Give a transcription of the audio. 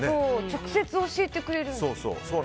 直接教えてくれるなんて。